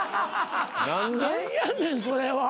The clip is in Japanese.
何やねんそれは。